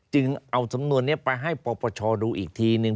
เอาสำนวนนี้ไปให้ปปชดูอีกทีนึง